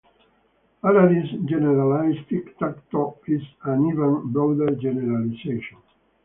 Harary's generalized tic-tac-toe is an even broader generalization.